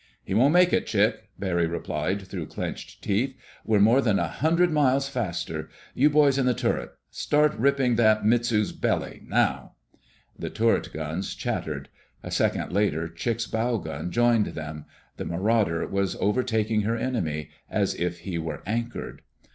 "He won't make it, Chick," Barry replied through clenched teeth. "We're more than a hundred miles faster.... You boys in the turret—start ripping that Mitsu's belly. Now!" The turret guns chattered. A second later, Chick's bow gun joined them. The Marauder was overtaking her enemy as if he were anchored.